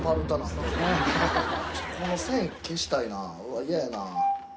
この線消したいな嫌やな。